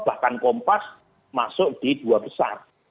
bahkan kompas masuk di dua besar